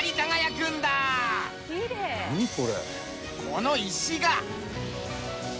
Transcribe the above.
この石が。